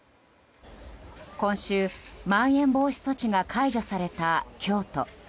今週、まん延防止措置が解除された京都。